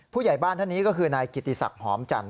ผู้ใหญ่บ้านท่านนี้ก็คือนายกิติศักดิ์หอมจันท